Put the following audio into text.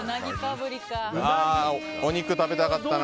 お肉食べたかったな。